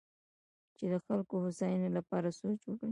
چې د خلکو د هوساینې لپاره سوچ وکړي.